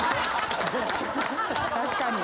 確かに。